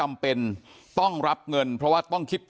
แม้นายเชิงชายผู้ตายบอกกับเราว่าเหตุการณ์ในครั้งนั้น